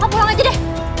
kakak pulang aja deh